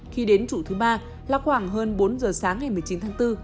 khi đến chủ thứ ba là khoảng hơn bốn giờ sáng ngày một mươi chín tháng bốn